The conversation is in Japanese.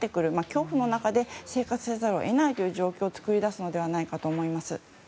恐怖の中で生活せざるを得ない状況を作り出すのではないかと思います。